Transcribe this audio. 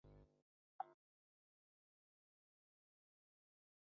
女子跳远比赛分为预赛及决赛。